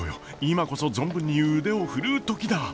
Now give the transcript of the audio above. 今こそ存分に腕を振るう時だ！